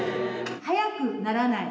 速くならない。